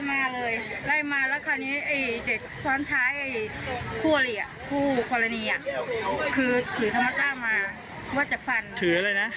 มาถึงจุดหน้าร้านเนี่ยตรงที่เกิดเหตุ